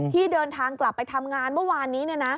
ที่เดินทางกลับไปทำงานเมื่อวานนี้